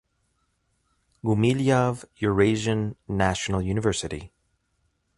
Gumilyov Eurasian National University.